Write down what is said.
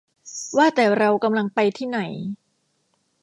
ว่าแต่เรากำลังไปทีไ่หน